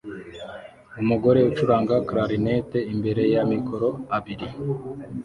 Umugore acuranga Clarinet imbere ya mikoro abiri